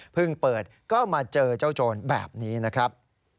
เพิ่งเปิดก็มาเจอเจ้าจนแบบนี้นะครับ